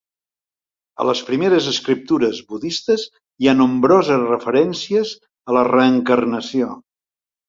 A les primeres escriptures budistes hi ha nombroses referències a la reencarnació.